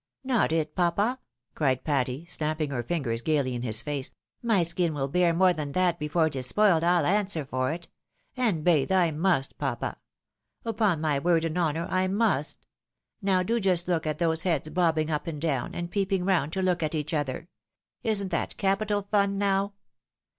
" Not it, papa !" cried Patty, snapping her fingers gaily in his face. " My skin will bear more than that before it is spoiled, PU answer for it ; and bathe I must, papa. Upon my word and honour I must I Now do just look at those heads bobbing up and down, and peeping round to look at each other. Isn't that capital fun now